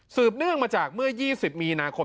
เนื่องมาจากเมื่อ๒๐มีนาคม